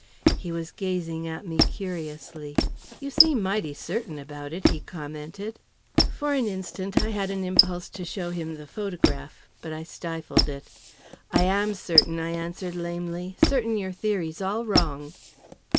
He was gazing at me curiously. "You seem mighty certain about it," he commented. For an instant, I had an impulse to show him the photograph. But I stifled it. "I am certain," I answered lamely. "Certain your theory's all wrong."